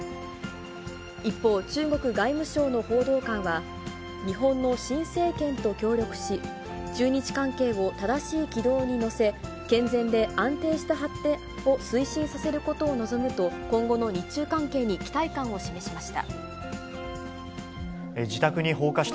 一方、中国外務省の報道官は、日本の新政権と協力し、中日関係を正しい軌道に乗せ、健全で安定した発展を推進させることを望むと今後の日中関係に期待感を示しました。